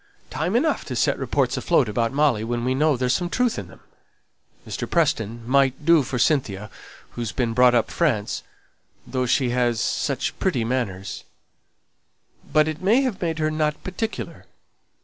Time enough to set reports afloat about Molly when we know there's some truth in them. Mr. Preston might do for Cynthia, who's been brought up in France, though she has such pretty manners; but it may have made her not particular.